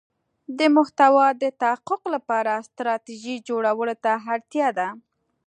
د محتوا د تحقق لپاره ستراتیژی جوړولو ته اړتیا ده.